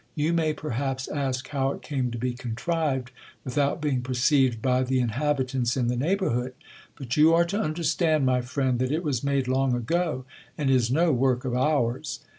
You may perhaps ask how it came to be contrived, without being perceived by the inhabitants in the neigh bourhood. But you are to understand, my friend, that it was made long ago, and is no work of ours.